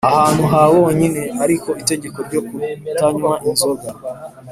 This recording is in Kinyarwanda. ahantu ha bonyine, ariko itegeko ryo kutanywa inzoga